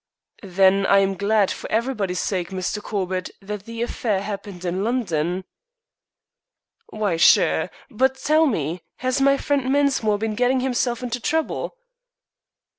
"Then I am glad, for everybody's sake, Mr. Corbett, that the affair happened in London." "Why, sure. But tell me. Has my friend Mensmore been getting himself into trouble?"